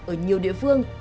ở nhiều địa phương